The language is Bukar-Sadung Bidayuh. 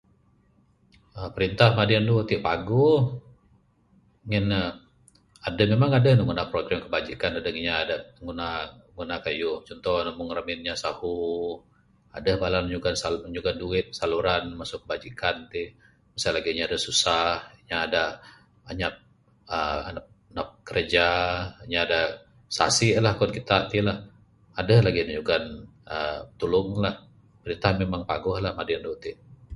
uhh Perintah madi andu tik paguh. Ngin ne, aduh, memang aduh ne ngundah program kebajikan dadeg inya da nguna, nguna kayuh. Cunto ne, mung ramin nya sahu, aduh bala ne nyugon salu,r nyugan duit saluran masu kebajikan tik. Mong sien lagik inya da susah, inya da anyap uhh napud kraja, inya da sasik lah kuwan kitak tik lah. Aduh lagi ne nyugan aaa tulung lah. Perintah memang paguh lah madi andu tik.